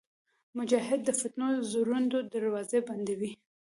مجاهد د فتنو زوړند دروازې بندوي.